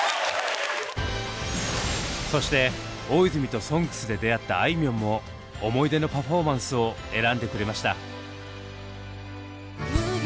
そして大泉と「ＳＯＮＧＳ」で出会ったあいみょんも思い出のパフォーマンスを選んでくれました。